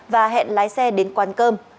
và hẹn lái xe đến quán cơm